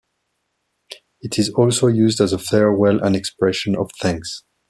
It is also used as a farewell and expression of thanks.